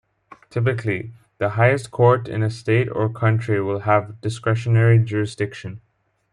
Typically, the highest court in a state or country will have discretionary jurisdiction.